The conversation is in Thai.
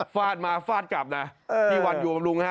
ฟาดมาฟาดกลับนะพี่วันอยู่บำรุงฮะ